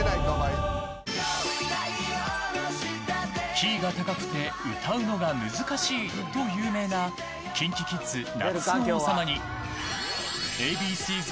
キーが高くて歌うのが難しいと有名なＫｉｎＫｉＫｉｄｓ「夏の王様」にＡ．Ｂ．Ｃ‐Ｚ